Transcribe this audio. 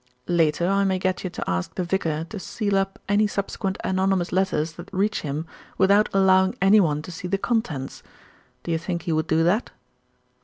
"Later I may get you to ask the vicar to seal up any subsequent anonymous letters that reach him without allowing anyone to see the contents. Do you think he would do that?"